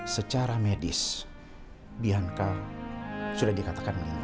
secara medis bianca sudah dikatakan meninggal